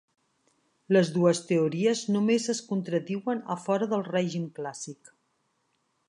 Les dues teories només es contradiuen a fora del règim clàssic.